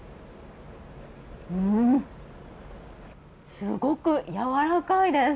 すごくやわらかいです。